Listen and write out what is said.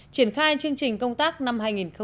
triển khai chương trình công tác năm hai nghìn một mươi bảy